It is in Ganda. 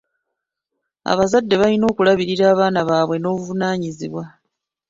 Abazadde balina okulabirira abaana baabwe n'obuvunaanyizibwa..